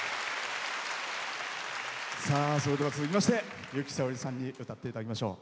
それでは、続きまして由紀さおりさんに歌っていただきましょう。